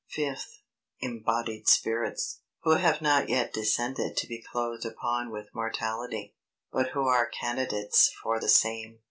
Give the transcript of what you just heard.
Fifth. Embodied Spirits, who have not yet descended to be clothed upon with mortality, but who are candidates for the same.